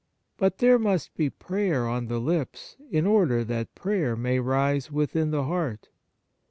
But there must be prayer on the lips in order that prayer may rise within the heart.